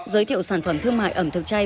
giới thiệu sản phẩm thương mại ẩm thực chay